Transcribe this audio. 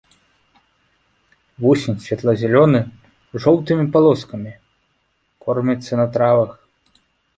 Вусень светла-зялёны з жоўтымі палоскамі, корміцца на травах.